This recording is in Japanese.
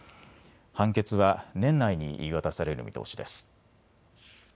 判決は年内に言い渡される見通しです。